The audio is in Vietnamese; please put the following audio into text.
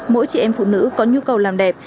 mỗi chị em phụ nữ có nhu cầu làm đẹp